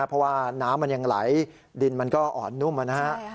เพราะว่าน้ำมันยังไหลดินมันก็อ่อนนุ่มนะฮะ